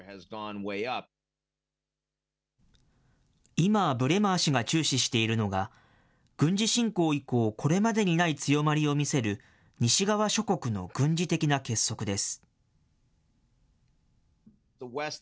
今、ブレマー氏が注視しているのが、軍事侵攻以降、これまでにない強まりを見せる、西側諸国の軍事的な結束です。